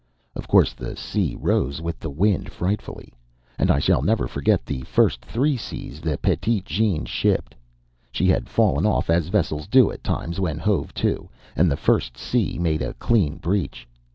Of course, the sea rose with the wind frightfully; and I shall never forget the first three seas the Petite Jeanne shipped. She had fallen off, as vessels do at times when hove to, and the first sea made a clean breach.